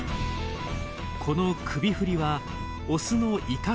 この首振りはオスの威嚇行動。